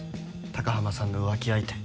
高濱さんの浮気相手。